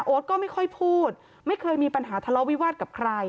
ก็ไม่ค่อยพูดไม่เคยมีปัญหาทะเลาะวิวาสกับใคร